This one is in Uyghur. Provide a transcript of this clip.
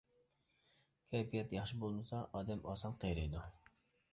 كەيپىيات ياخشى بولمىسا، ئادەم ئاسان قېرىيدۇ.